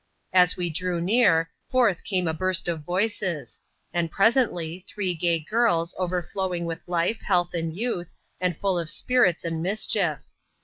As we drew near, forth came a burst of voices; and presentlj^ three gay girls, overflowing with life, health, and youth, and full of spirits and mischief.